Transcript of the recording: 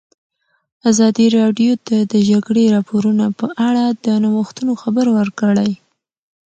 ازادي راډیو د د جګړې راپورونه په اړه د نوښتونو خبر ورکړی.